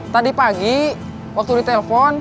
tadi pagi waktu ditelpon